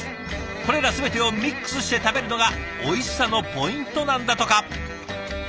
これら全てをミックスして食べるのがおいしさのポイントなんだとか。